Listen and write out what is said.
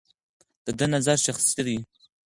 د ده نظر شخصي دی.